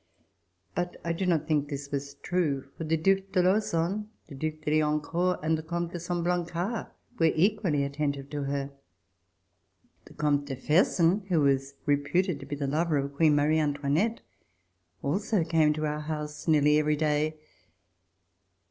But I do not think this was true, for the Due de Lauzun, the Due de Liancourt, and the Comte de Saint Blancard were equally attentive to her. The Comte de Fersen, who was reputed to be the lover of Queen Marie Antoinette, also came to our house nearly every day.